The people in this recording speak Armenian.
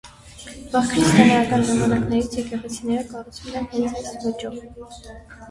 Վաղ քրիստոնեական ժամանակներից եկեղեցիները կառուցել են հենց այս ոճով։